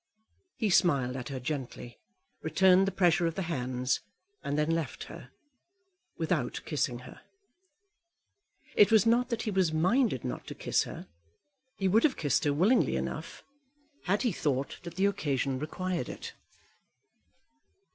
He smiled at her gently, returned the pressure of the hands, and then left her, without kissing her. It was not that he was minded not to kiss her. He would have kissed her willingly enough had he thought that the occasion required it.